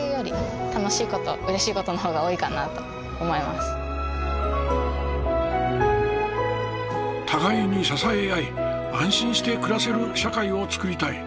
子どもたちの互いに支え合い安心して暮らせる社会をつくりたい。